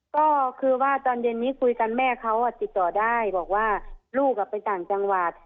ก็คือว่าตอนเย็นนี้คุยกันแม่เขาติดต่อได้บอกว่าลูกไปต่างจังหวัด